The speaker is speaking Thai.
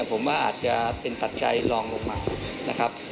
ผมว่าอาจจะเป็นปัจจัยลองลงมานะครับ